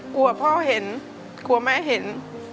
กลัวพ่อเห็นกลัวแม่เห็น